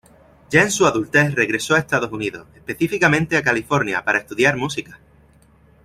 Ya en su adultez regresó a Estados Unidos, específicamente a California, para estudiar música.